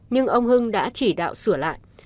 nhưng ông hưng đã chỉ đạo sửa lại